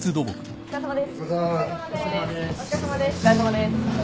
お疲れさまです。